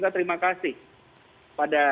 terima kasih pada